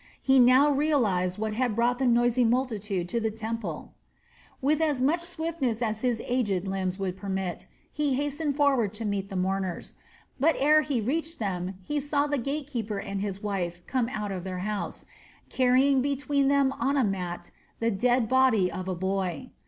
He now realized what had brought the noisy multitude to the temple! With as much swiftness as his aged limbs would permit, he hastened forward to meet the mourners; but ere he reached them he saw the gate keeper and his wife come out of their house, carrying between them on a mat the dead body of a boy.